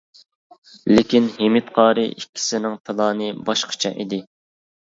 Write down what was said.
لېكىن ھىمىت قارىي ئىككىسىنىڭ پىلانى باشقىچە ئىدى.